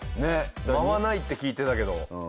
間はないって聞いてたけど。